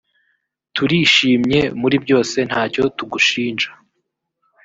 turishimye muri byose ntacyo tugushinja